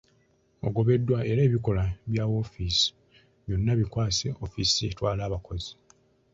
Ogobeddwa era ebikola bya ofiisi byonna bikwase ofiisi etwala abakozi.